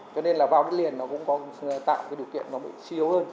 cho nên là vào đất liền nó cũng có tạo điều kiện nó bị siêu hơn